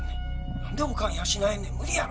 何でおかん養えんねん無理やろ。